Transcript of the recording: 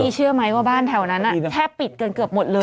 เชื่อไหมว่าบ้านแถวนั้นแทบปิดกันเกือบหมดเลย